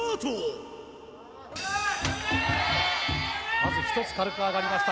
まず１つ軽く上がりました